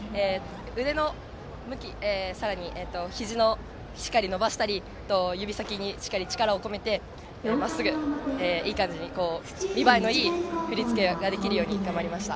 腕の向きと、ひじをしっかり伸ばしたり指先に力を込めて、まっすぐいい感じに見栄えのいい振り付けができるように頑張りました。